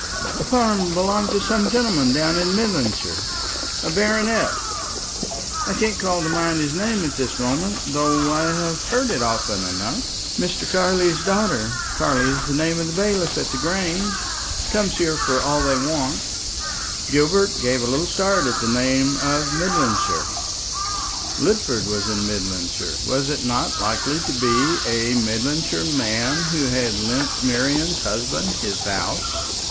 The farm belongs to some gentleman down in Midlandshire, a baronet; I can't call to mind his name at this moment, though I have heard it often enough. Mr. Carley's daughter Carley is the name of the bailiff at the Grange comes here for all they want." Gilbert gave a little start at the name of Midlandshire. Lidford was in Midlandshire. Was it not likely to be a Midlandshire man who had lent Marian's husband his house?